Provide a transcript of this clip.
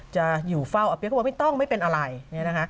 จะอยู่เฝ้าอัพเบี้ยเขาบอกว่าไม่ต้องไม่เป็นอะไร